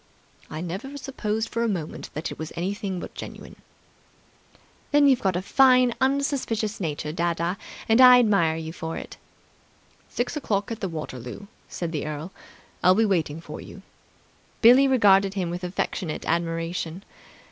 "I never supposed for a moment that it was anything but genuine." "Then you've got a fine, unsuspicious nature, dadda, and I admire you for it." "Six o'clock at Waterloo," said the earl. "I will be waiting for you." Billie regarded him with affectionate admiration.